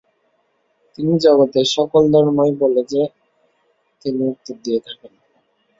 কিন্তু জগতের সকল ধর্মই বলে যে, তিনি উত্তর দিয়ে থাকেন।